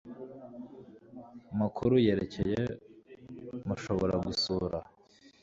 makuru yerekeye mushobora gusura